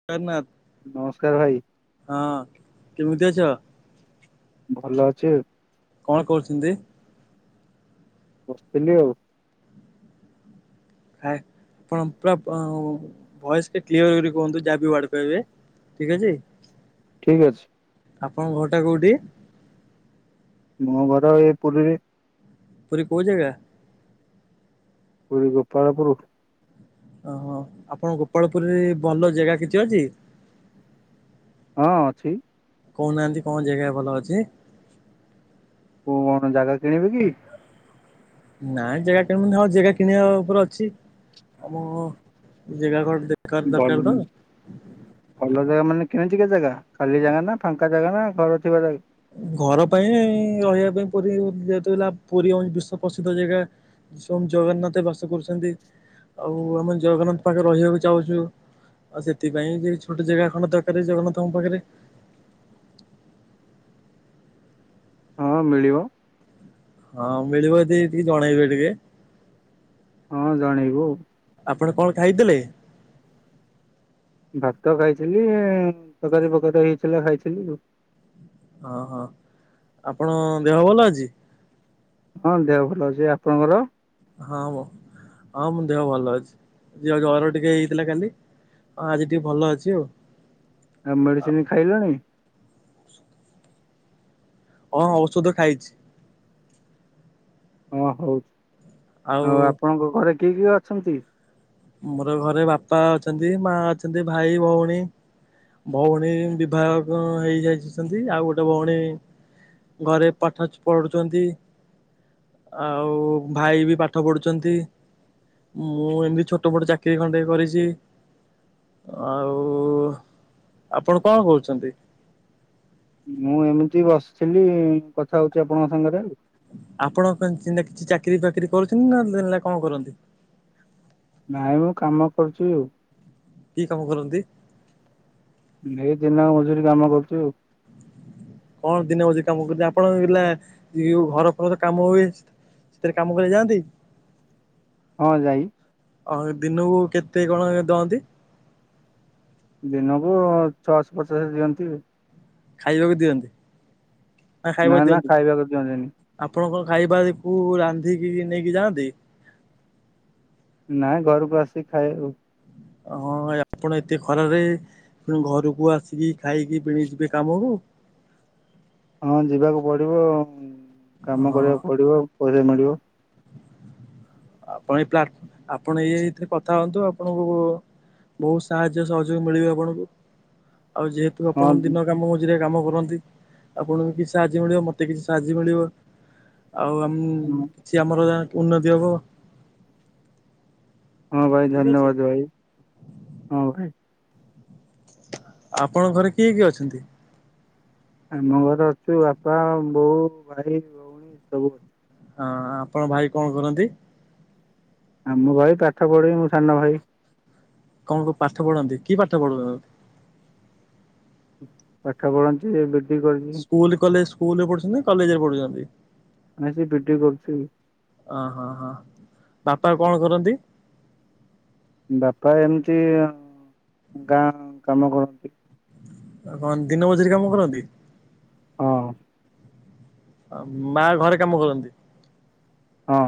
[unintelligible] ନମସ୍କାର ଭାଇ। ହଁ କେମିତି ଅଛ? ଭଲ ଅଛି। କଣ କହୁଛନ୍ତି? ବସିଥିଲି ଆଉ। ଖ ଆପଣ ପୁର ଭଏସ କ୍ର କୁହନ୍ତୁ ଯାହାବଡ କହିବେ। ଠିକ୍ ଅଛି। ଠିକ୍ ଅଛି। ଆପଣଙ୍କ ଘରଟା କୋଉଠି? ମୋ ଘର ଏଇ ପୁରୀରେ। ପୁର କହୁହଜୋଗା? ପୁରୀ ଗୋପାଳପୁର। ଓହୋ ଆପଣଙ୍କ ଗୋପାଳପୁରରେ ଭଲ ଜାଗା କିଛି ଅଛି? ହଁ ଅଛି। କହୁନାହାନ୍ତି କଣ ଜାଗା ଭଲ ଅଛି? କୁ କଣ ଜାଗା କିଣିବେ କି? ନାଇଁ ଜାଗା କିଣିବୁନ ଆଉ ଜାଗା କିଣିବା ଉପରେ ଅଛି। ଆମ ଜାଗା ଘର ଦେଖ ଭଲ ଦରକାର ତ। ଭଲ ଜାଗା ମାନେ କିଣଛି କେତେ ଜାଗା ଖାଲି ଜାଗା ନା ଫାଙ୍କା ଜାଗା ନା ଘର ଥିବା ଜାଗା। ଘର ପାଇଁ ରହିବା ପାଇଁ ପୁରୀ ଯେହତ ପୁରୀଞ୍ଜ ବିଶ୍ଵ ପ୍ରସିଦ୍ଧ ଜାଗା। ସୁ ଜଗନ୍ନାଥ ବାସ କରୁଛନ୍ତି ଆଉ ଆମେ ଜଗନ୍ନାଥ ପାଖରେ ରହିବାକୁ ଚାହୁଁଛୁ। ଆଉ ସେଥିପାଇଁ ଯ ଛୋଟ ଜାଗା ଖଣ୍ଡ ଦରକାର ଜଗନ୍ନାଥଙ୍କ ପାଖରେ। ହଁ ମିଳିବ। ହଁ ମିଳିବ ଦି ଟିକେ ଜଣେଇବେ ଟିକେ। ହଁ ଜଣେଇବୁ ଆଉ। ଆପଣ କଣ ଖାଇଥିଲେ? ଭାତ ଖାଇଥିଲି ତରକାରୀ ପକାରୀ ହେଇଥିଲା ଖାଇଥିଲି ଆଉ। ଅ ହଁ ଆପଣ ଦେହ ଭଲ ଅଛି। ହଁ ଦେହ ଭଲ ଅଛି ଆପଣଙ୍କର। ହଁ ମୋ ହଁ ମୋ ଦେହ ଭଲ ଅଛି ଯିଅ ଜର ଟିକେ ହେଇଥିଲା କାଲି ହଁ ଆଜି ଟିକେ ଭଲ ଅଛି ଆଉ ଆଉ ମେଡିସିନ ଖାଇଲଣି। ହଁ ହଁ ଔଷଧ ଖାଇଛି। ହଁ ହଉ ଆଉ ଆପଣଙ୍କ ଘରେ କିଏ କିଏ ଅଛନ୍ତି। ଆମ୍ଭ ର ଘରେ ବାପା ଅଛନ୍ତି ମା ଅଛନ୍ତି ଭାଇ ଭଉଣୀ। ଭଉଣୀ ବିଭାହ ହେଇ ଯାଇଛନ୍ତି ଆଉ ଗୋଟେ ଭଉଣୀ। ଘରେ ପାଠ ପଢୁଛନ୍ତି। ଆଉ ଭାଇ ବି ପାଠ ପଢୁଛନ୍ତି ମୁଁ ଏମତି ଛୋ ଛୋଟୋ ମୋଟ ଚାକିରି ଖଣ୍ଡେ କରିଛି। ଆଉ ଆପଣ କଣ କହୁଛନ୍ତି। ମୁଁ ଏମିତି ବସିଥିଲି କଥା ହଉଛି ଆପଣଙ୍କ ସାଙ୍ଗରେ ଆଉ। ଆପଣ କିଛି ଚାକିରି ଫକିରି କରୁଛନ୍ତି ନାେଲେ କଣ କରନ୍ତି ନାଇଁ ମ କାମ କରୁଛୁ। କି କାମ କରନ୍ତି। ଏଇ ଦିନ ମଜୁରୀ କାମ କରୁଛୁ ଆଉ। କଣ ଦିନ ମଜୁରୀ କାମ କରଛନ୍ତି ଆପଣ ହେଲା ଘର ଫର କାମ ହୁଏ। ସେଥିରେ କାମ କରି ଯାଆନ୍ତି। ହଁ ଯାଇ। ହଁ ଦିନକୁ କେତେ କଣ ଦଅନ୍ତି। ଦିନକୁ ଛଅଶ ପଚାଶ ଦିଅନ୍ତି। ଖାଇବାକୁ ଦିଅନ୍ତି ନା ନା ଖାଇବାକୁ ନା ଦିଅନ୍ତି। ଖାଇବାକୁ ଦିଅନ୍ତିନି ଆପଣଙ୍କ ଖାଇବାକୁ ରାନ୍ଧିକି ନେଇକି ଯାଆନ୍ତି। ନାଇଁ ଘରକୁ ଆସିିକି ଖାଇଏ ଆଉ। ହଁ ଆପଣ ଏତେ ଖରାରେ ଘରକୁ ଆସିକି ଖାଇକି ପଣି ଯିବେ କାମକୁ। ହଁ ଯିବାକୁ ପଡିବ କାମ ହଁ କରିବାକୁ ପଡିବ ପଇସା ମିଳିବ। ଆପଣ ଏଇ ପ୍ ଆପଣ ଏଇ ଏଇଥିରେ କଥା ହୁଅନ୍ତୁ ଆପଣଙ୍କୁ। ବହୁତ ସାହାଯ୍ୟ ସହଯୋଗ ମିଳିବ ଆପଣଙ୍କୁ ଆଉ ଯେହେତୁ ହଁ ଆପଣଙ୍କ ଦିନ କାମ ଖୁସିରେ କାମ କରନ୍ତି ଆପଣଙ୍କୁ କିଛି ସାହାଯ୍ୟ ମିଳିବ ମତେ କିଛି ସାହାଯ୍ୟ ମିଳିବ ଆଉ ଆମ ଉଁ ହଁ କିଛି ଆମର ଉନ୍ନତି ହବ। ହଁ ଭାଇ ଠିକ ଅଛି ଧନ୍ୟବାଦ ଭାଇ ହଁ ଭାଇ। ଆପଣଙ୍କ ଘରେ କିଏ କିଏ ଅଛନ୍ତି। ଆମ ଘରେ ଅଛୁ ବାପା ବୋଉ ଭାଇ ଭଉଣୀ ସବୁ ଅଛୁ। ହଁ ଆପଣଙ୍କ ଭାଇ କଣ କରନ୍ତି। ଆମ ଭାଇ ପାଠ ପଢୁଚି ମୁଁ ସାନ ଭାଇ। କଣ କ ପାଠ ପଢନ୍ତି କି ପାଠ ପଢୁ ପାଠ ପଢନ୍ତି ଇଲେ ସ୍କୁଲ କଲେ ସ୍କୁଲରେ ପଢୁଛନ୍ତି କଲେଜ ରେ ପଢୁଛନ୍ତି। ଆାଇଁ ସେ ବିଟେକ କରୁଛି। ଅ ହଁ ହଁ ବାପା କଣ କରନ୍ତି? ବାପା ଏମିତି ଗାଁ କାମ କରନ୍ତି। କଣ ଦିନ ମଜୁରୀ କାମ କରନ୍ତି। ହଁ। ଆଉ ମା ଘରେ କାମ କରନ୍ତି। ହଁ।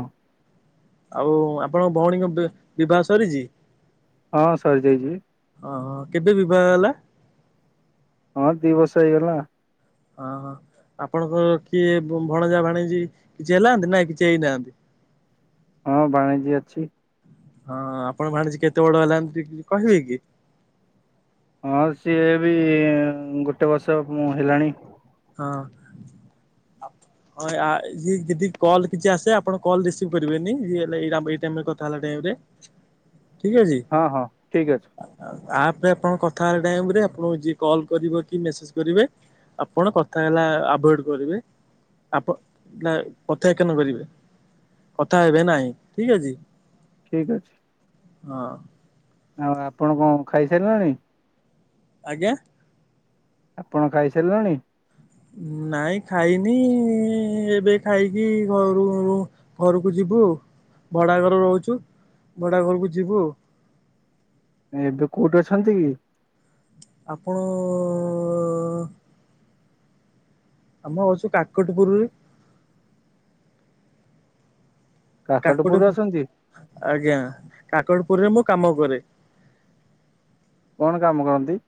ଆଉ ଆପଣଙ୍କ ଭଉଣୀଙ୍କ ବିବାହ ସରିଛି। ହଁ ସରି ଯାଇଛି। ଅ ହଁ କେବେ ବିବାହ ହେଲା। ହଁ ଦି ବର୍ଷ ହେଇଗଲା। ହଁ ହଁ ଆପଣଙ୍କ କିଏ ଭଣଜା ଭାଣିଜିୀ କିଛି ହେଲାନ୍ତି ନା କିଛି ହେଇନାହାନ୍ତି? ହଁ ଭାଣିଜୀ ଅଛି। ହଁ ଆପଣ ଭାଣିଜୀ କେତେ ବଡ ହେଲାଣି ଟି କହିବେ କି? ହଁ ସିଏ ବି ଗୋଟେ ବର୍ଷ ମୁଁ ହେଲାଣି। ହଁ। ହଁ ଆ ଯଦି କଲ୍ କିଛି ଆସେ ଆପଣ କଲ୍ ରିସିଭ୍ କରିବେନି ଯିଏ ହେ ଏଇ ଟାଇ କଥା ହେଲା ଟାଇମ୍ ରେ। ଠିକ ଅଛି। ହଁ ହଁ ଠିକ ଅଛି। ଆପ ରେ ଆପଣ କଥା ହେଲା ଟାଇମ ରେ ଆପଣ ଯିଏ କଲ୍ କରିବ କି ମେସେଜ୍ କରିବେ ପଣ କଥା ହେଲା ଆଭଏଡ କରିବେ ଆପ ନା କଥାଏକନ କରିବେ କଥା ହେବେ ନାଇଁ ଠିକ ଅଛି। ଠିକ୍ ଅଛି। ହଁ। ଆଉ ଆପଣ କଣ ଖାଇସାରିଲଣି? ଆଜ୍ଞା। ଆପଣ ଖାଇସାରିଲଣି? ନାଇଁ ଖାଇନି ଏବେ ଖାଇକି ଘରୁରୁ ଘରକୁ ଯିବୁ ଭଡା ଘର ରହୁଛୁ ଭଡା ଘରକୁ ଯିବୁ। ଏବେ କୋଉଠି ଅଛନ୍ତି କି? ଆପଣ ଅ-ଅ-ଅ ଆମ ଅଛୁ କାକଟପୁରରେ। କାକଟପୁରରେ କାକଟପୁ ଅଛନ୍ତି ଆଜ୍ଞା କାକଟପୁରରେ ମୁଁ କାମ କରେ। କଣ କାମ କରନ୍ତି?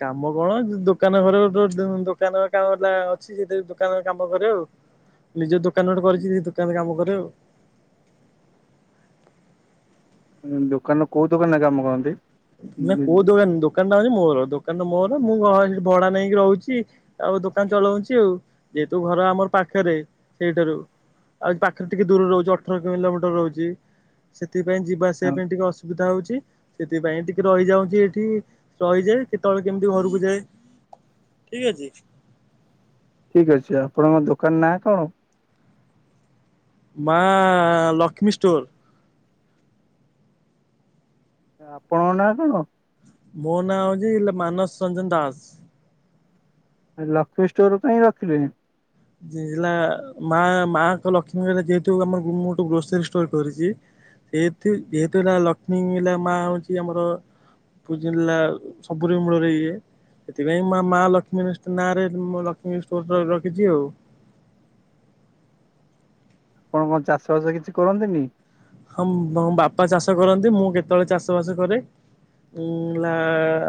କାମ କଣ ଦୋକାନ ଘର ଦୋକାନ କାମ ଅଛି ସେ ଦୋକାନ କାମ କରେ ଆଉ। ନିଜ ଦୋକାନ ଗୋଟେ କରିଛି ସେ ଦୋକାନରେ କାମ କରେ ଆଉ। ଦୋକାନ କୋଉ ଦୋକାନରେ କାମ କରନ୍ତି? ନାଁ କଉ ଦୋକାନ ଦୋ ଦୋକାନ ଟା ହଉଛି ମୋର ଦୋକାନ ଟା ମୋର ମୁଁ ଘଂ ଭଡା ନେଇକି ରହୁଛି। ଆଉ ଦୋକାନ ଚଲଉଛି ଆଉ। ଯେହେତୁ ଘର ଆମର ପାଖରେ ସେଇଠାରୁ ଆଉ ପାଖରେ ଟିକେ ଦୂର ରହୁଛି ଅଠର କିଲୋମିଟର ରହୁଛି ସେଥିପାଇଁ ଯି ଯିବା ଆସିବା ପାଇଁ ଟିକେ ଅସୁବିଧା ହଉଛି। ସେଥିପାଇଁ ଟିକେ ରହିଯାଉଛି ଏଠି ରହିଯାଏ କେତେବେଳେ କେମିତି ଘରକୁ ଯାଏ। ଠିକ୍ ଅଛି। ଠିକ୍ ଅଛି ଆପଣଙ୍କ ଦୋକାନ ନାଁ କଣ? ମା ଲକ୍ଷ୍ମୀ ଷ୍ଟୋର। ଆପଣଙ୍କ ନାଁ କଣ? ମୋ ନାଁ ହଉଛି ମାନସ ରଞ୍ଜନ ଦାସ। ଲକ୍ଷ୍ମୀ ଷ୍ଟୋର କାଇଁ ରଖିଲେ? ହେଲା ମା ମାଆଙ୍କ ଲକ୍ଷ୍ମୀଲା ଯେହେତୁ ଆମର ମୁଁ ଗୋଟେ ଗ୍ରୋସରୀ ଷ୍ଟୋର କରିଛି ଯେତୁ ଯେହେତୁ ହେଲା ଲକ୍ଷ୍ମୀ ମା ହଉଛି ଆମର ପୁଜିଲା ସବୁରି ମୂଳରେ ଇଏ ସେଥିପାଇଁ ମା ମା ଲକ୍ଷ୍ମୀ ନାଁରେ ମୋ ଲକ୍ଷ୍ମୀ ଷ୍ଟୋର ରଖିଛି ଆଉ। କଣ କଣ ଚାଷବାସ କିଛି କରନ୍ତିନି? ହଁ ମୋ ବାପା ଚାଷ କରନ୍ତି। ମୁଁ କେତେବେଳେ ଚାଷ ବାସ କରେ। ଉଁ ଲା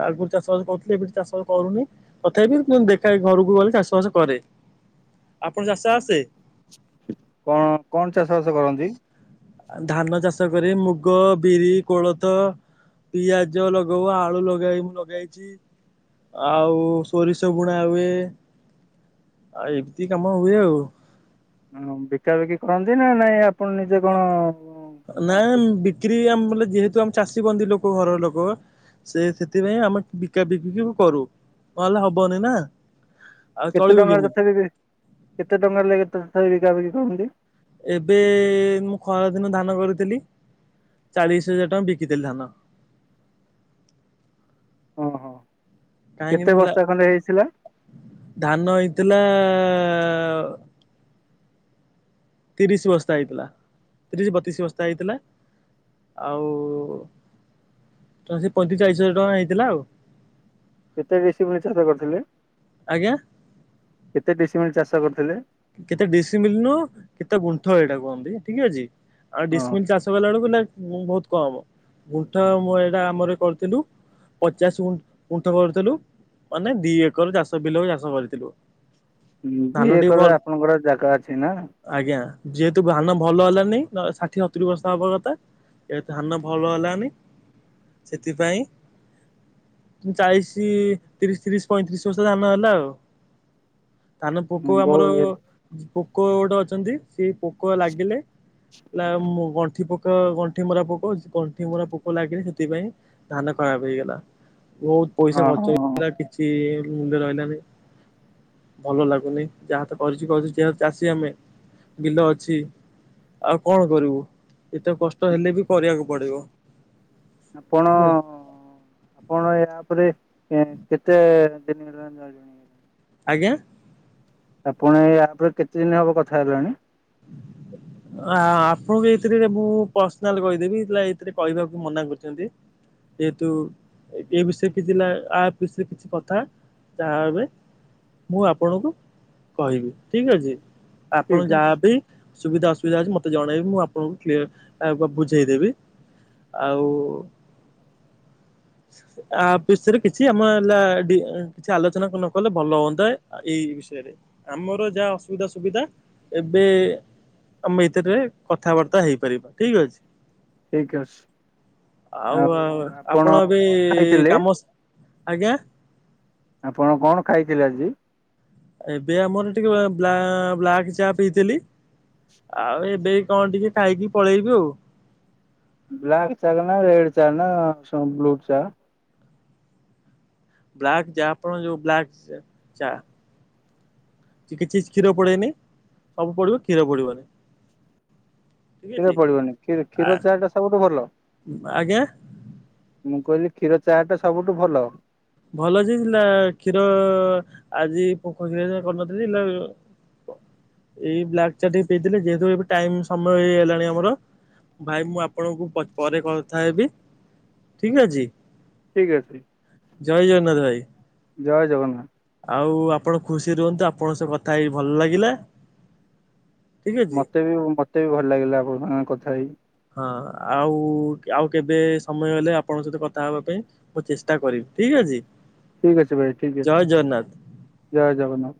ଆଗୁରୁ ଚାଷ ବାସ କରୁଥିଲେ ଏବେ ଚାଷ କରୁନି। ତଥାପି ଦେଖା ଘରକୁ ଗଲେ ଚାଷ ବାସ କରେ। ଆପଣ ଚାଷ ଆସେ? କଣ କଣ ଚାଷ ବାସ କରନ୍ତି? ଧାନ ଚାଷ କରି ମୁଗ, ବିରି, କୋଳଥ ପିଆଜ ଲଗାଉ ଆଳୁ ଲଗେଇ ମୁଁ ଲଗେଇଛି। ଆଉ ସୋରିଷ ବୁଣା ହୁଏ। ଆଉ ଏମିତି କାମ ହୁଏ ଆଉ। ହ ବିକା ବିକି କରନ୍ତି ନା ନାଇଁ? ନିଜେ କଣ ନାଇ ଖାଆନ୍ତି ବିକ୍ରି ଆମେ ବ ଯେହେତୁ, ଆମ ଚାଷୀ ବନ୍ଦୀ ଲୋକ ଘରର ଲୋକ - ସେ ସେଥିପାଇଁ ଆମେ ବିକା ବିକିକି କରୁ। ନହେଲେ ହବନି ନା - କେତେ ଟଙ୍କାର ତଥାପି କେତେ ଟଙ୍କା ଲାଗ କେତେ ତଥାପ ବିକା ବିକି କରନ୍ତି? ଏବେ ମୁଁ ଖରା ଦିନ ଧାନ କରିଥିଲି। ଚାଳିଶ ହଜାର ଟଙ୍କା ବିକିଥିଲି ଧାନ। ଓଁ ହଁ [inaudible] କାହିଁକି ନା ହେଲା ଧାନ ହେଇଥିଲା - ତିରିଶ ବସ୍ତା ହେଇଥିଲା ତିରିଶ ବତିଶ ବସ୍ତା ହେଇଥିଲା। ଆଉ ତ ସେ ପଇଁତିରିଶ ଚାଳିଶ ହଜାର ଟଙ୍କା ହେଇଥିଲା ଆଉ। କେତେ ଡିସିିମିଲି ଚାଷ କରିଥିଲେ? ଆଜ୍ଞା କେତେ ଡିସିମିଲି ଚାଷ କରିଥିଲେ? କେତେ ଡିସିିମିଲି ନୁଅ କେତେ ଗୁଣ୍ଠ ଏଇଟା କୁହନ୍ତି? ଠିକ୍ ଅଛି। ଆଉ ହଁ ଡିସମିଲ୍ ଚାଷ କଲା ବେଳକୁ ନା ବହୁତ କମ୍। ଗୁଣ୍ଠ ମୁଁ ଏଇଟା ଆମର କରିଥିଲୁ। ପଚାଶ ଗୁ ଗୁଣ୍ଠ କରିଥିଲୁ। ମାନେ ଦି ଏକର ଚାଷ ବିଲକୁ ଚାଷ କରିଥିଲୁ। ହଁ ଧାନ ଦି ଟିକେ ଏକର ଭଲ ଆପଣଙ୍କର ଜାଗା ଅଛି ନା। ଆଜ୍ଞା ଯେହେତୁ ଧାନ ଭଲ ହେଲାନି ଷାଠିଏ ସତୁରି ବସ୍ତା ହବା କଥା। ଏବେ ଧାନ ଭଲ ହେଲାନି ସେଥିପାଇଁ। ଚାଳିଶ ତିରିଶ ତିରିଶ ପଇଁତିରିଶ ବସ୍ତା ଧାନ ହେଲା ଆଉ। ଧାନ ପୋକ ବହୁ ଆମର ପୋକ ଗୋଟେ ଅଛନ୍ତି। ସେଇ ପୋକ ଲାଗିଲେ ନାଁ ମୁଁ ଗଣ୍ଠି ପୋକ। ପୋକ ଗଣ୍ଠି ମରା ପୋକ ଗଣ୍ଠି ମରା ପୋକ ଲାଗିଲେ ସେଥିପାଇଁ ଧାନ ଖରାପ ହେଇଗଲା। ବହୁତ ପଇସା ହଁ ଖର୍ଚ୍ଚ ହଁ ହେଇଥିଲା। କି- କିଛି ମୁଲ୍ୟ ରହିଲାନି ଭଲ ଲାଗୁନି ଯାହା ତ କରିଛି। ଚାଷୀ ଆମେ। ବିଲ ଅଛି। ଆଉ କଣ କରିବୁ? ଏତେ କଷ୍ଟ ହେଲେ ବି କରିବାକୁ ପଡିବ। ଆପଣ ଠିକ ଅଛି ଆପଣ ୟାପରେ କେତେ? ସେ। [inaudible] [unintelligible] ଆଜ୍ଞା। ଆପଣ ୟାପରେ କେତେ ଦିନ ହେବ କଥା ହେଲଣି? [inaudible] [unintelligible] ଆପଣଙ୍କୁ ଏଇଥିରେ ମୁଁ ପର୍ସନାଲ କହିଦେବି ଏଥିରେ କହିବାକୁ ମନା କରିଛନ୍ତି। ଯେହେତୁ ଏ ବିଷୟରେ କିଛି ନା ଆପ ବିଷୟରେ କିଛି କଥା। ତା ଏବେ ମୁଁ ଆପଣଙ୍କୁ କହିବି। ଠିକ୍ ଅଛି। ଆପଣ ଠିକ ଅଛି ଯାହା। ସୁବିଧା ଅସୁବିଧା ଅଛି ମତେ ଜଣେଇବି। ମୁଁ ଆପଣଙ୍କୁ କ୍ଲିୟର ବୁ ବୁଝେଇଦେବି। ଆଉ। ଆ ବିଷୟରେ କିଛି ଆମର ହେ କିଛି ଆଲୋଚନା ନ କଲେ ଭଲ ହୁଅନ୍ତା ଏଇ ବିଷୟରେ ଆମର ଯାହା ଅସୁବିଧା ସୁବିଧା- ଏବେ ଆମେ ଭିତରେ କଥାବାର୍ତ୍ତା ହେଇପାରିବା ଠିକ ଅଛି। ଠିକ୍ ଅଛି। ଆଉ ଆପଣ ଏବେ କାମ ଆଜ୍ଞା। ଆପଣ କଣ ଖାଇଥିଲେ ଆଜି? ଏବେ ଆମର ଟିକି ବ୍ଲାକ୍ ଚା ପିଇଥିଲି। ଆଉ ଏବେ କଣ ଟିକେ ଖାଇକି ପଳେଇବି ଆଉ। ବ୍ଲାକ୍ ଚା ନା ରେଡ ଚ ନା ବ୍ଲୁ ଚା? ବ୍ଲାକ୍ ଚା। ଆପଣ ଯୋଉ ବ୍ଲାକ୍ ଚା। କିଛି କ୍ଷୀର ପଡେନି। ସବୁ ପଡିବ କ୍ଷୀର ପଡିବନି। ଠିକ୍ କ୍ଷୀର ଅଛି। ପଡିବନି କ୍ଷୀ ଆ କ୍ଷୀର ଚାହା ଟା ସବୁଠୁ ଭଲ। ଆଜ୍ଞା ମୁଁ କଇଲି କ୍ଷୀର ଚାହା ଟା ସବୁଠୁ ଭଲ। ଭଲ ସେ ଦେଇ-କ୍ଷୀର ଆଜି ପୋ କ୍ଷୀର କରିନଥିଲି। ଏଇ ବ୍ଲାକ୍ ଚା ଟିକେ ପିଇଥିଲି। ଯେହେତୁ ଏବେ ଟାଇମ୍ ସମୟ ହେଇଗଲାଣି ଆମର। ଭାଇ ମୁଁ ଆପଣଙ୍କୁ ପରେ କଥା ହେବି। ଠିକ୍ ଅଛି। ଠିକ୍ ଅଛି। ଜୟ ଜଗନ୍ନାଥ ଭାଇ। ଜୟ ଜଗନ୍ନାଥ। ଆଉ ଆପଣ ଖୁସି ରୁହନ୍ତୁ। ଆପଣଙ୍କ ସଅ କଥା ହେଇ ଭଲ ଲାଗିଲା। ଠିକ ଅଛି ମତେ ବି ମତେ ବି ଭଲ ଲାଗିଲା ଆପଣ ସା କଥା ହେଇକି। ହଁ ଆଉ ଆଉ କେବେ ସମୟ ହେଲେ ଆପଣଙ୍କ ସହିତ କଥା ହେବା ପାଇଁ ମୁଁ ଚେଷ୍ଟା କରିିବି। ଠିକ୍ ଅଛି। ଠିକ୍ ଅଛି ଭାଇ। ଠିକ୍ ଜୟ ଅଛି। ଜଗନ୍ନାଥ। ଜୟ ଜଗନ୍ନାଥ।